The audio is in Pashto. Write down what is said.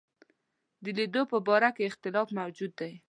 د لیدلو په باره کې اختلاف موجود دی.